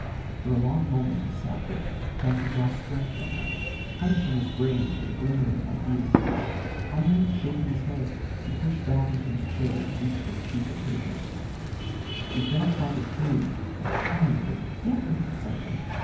For a long moment he sat there, trying to draw strength from her, punishing his brain for the glimmer of an idea. Finally, shaking his head, he pushed back into his chair and reached for the sheaf of papers. "We've got to find a clue a trend an inkling of something."